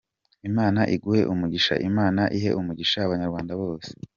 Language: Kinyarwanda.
Imana iguhe umugisha, Imana ihe umugisha Abanyarwanda bose.